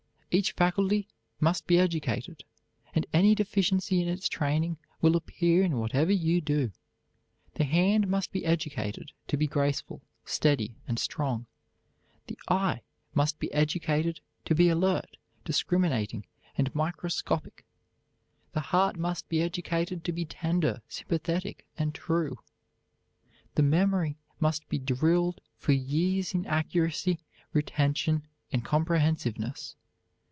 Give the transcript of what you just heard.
Each faculty must be educated, and any deficiency in its training will appear in whatever you do. The hand must be educated to be graceful, steady, and strong. The eye must be educated to be alert, discriminating, and microscopic. The heart must be educated to be tender, sympathetic, and true. The memory must be drilled for years in accuracy, retention, and comprehensiveness.